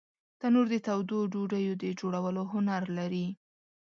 تنور د تودو ډوډیو د جوړولو هنر لري